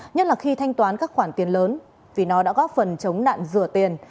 nhất là khi thanh toán các khoản tiền lớn vì nó đã góp phần chống nạn rửa tiền